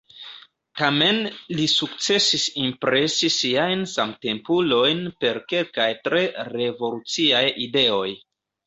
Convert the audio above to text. Tamen li sukcesis impresi siajn samtempulojn per kelkaj tre revoluciaj ideoj.